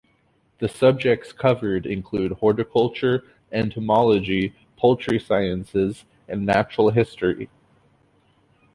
The subjects covered include horticulture, entomology, poultry sciences, and natural history.